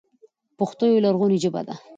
پښتو يوه لرغونې ژبه ده،